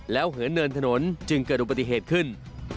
แล้วเหินเนินถนนจึงเกิดอุบัติเหตุขึ้น